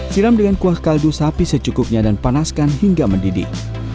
siram dengan kuah kaldu sapi secukupnya dan panaskan hingga mendidih